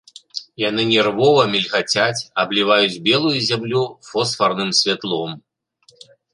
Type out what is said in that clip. Яны нервова мільгацяць, абліваюць белую зямлю фосфарным святлом.